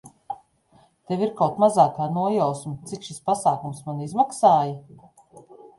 Tev ir kaut mazākā nojausma, cik šis pasākums man izmaksāja?